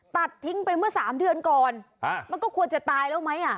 ตัดทิ้งไปเมื่อสามเดือนก่อนมันก็ควรจะตายแล้วไหมอ่ะ